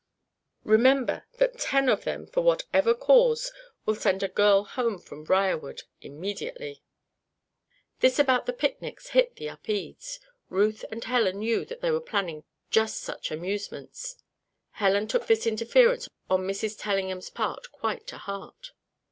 Remember that ten of them, for whatever cause, will send a girl home from Briarwood immediately." This about the picnics hit the Upedes. Ruth and Helen knew that they were planning just such amusements. Helen took this interference on Mrs. Tellingham's part quite to heart.